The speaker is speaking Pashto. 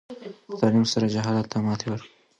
په تعلیم سره جهالت ته ماتې ورکړئ.